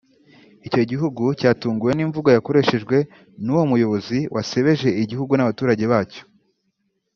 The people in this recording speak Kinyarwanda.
Icyo gihugu cyatunguwe n’imvugo yakoreshwejwe n’uwo muyobozi wasebeje igihugu n’abaturage bacyo